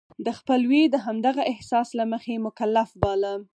د خپلوی د همدغه احساس له مخې مکلف باله.